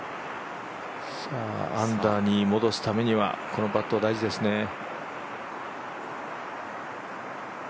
アンダーに戻すためにはこのパット大事ですね。